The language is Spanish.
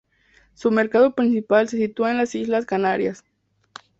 Su mercado principal se sitúa en las Islas Canarias.